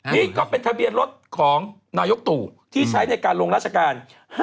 นี่ก็เป็นทะเบียนรถของนายกตู่ที่ใช้ในการลงราชการ